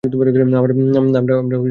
আমরা তোমাদের টেনে তুলছি।